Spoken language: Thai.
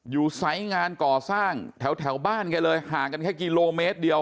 สายงานก่อสร้างแถวบ้านแกเลยห่างกันแค่กิโลเมตรเดียว